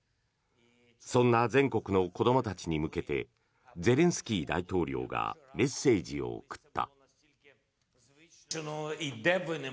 そんな全国の子どもたちに向けてゼレンスキー大統領がメッセージを送った。